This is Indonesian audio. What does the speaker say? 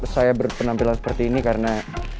saya berpenampilan seperti ini karena